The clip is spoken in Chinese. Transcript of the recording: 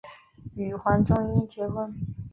与黄宗英结婚。